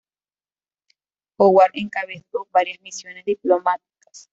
Howard encabezó varias misiones diplomáticas.